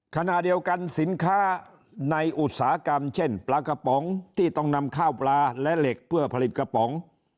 ขณะเดียวกันสินค้าในอุตสาหกรรมเช่นปลากระป๋องที่ต้องนำข้าวปลาและเหล็กเพื่อผลิตกระป๋อง